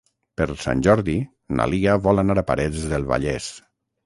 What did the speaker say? Per Sant Jordi na Lia vol anar a Parets del Vallès.